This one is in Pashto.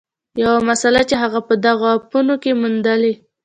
یوه مسله چې هغې په دغو اپونو کې موندلې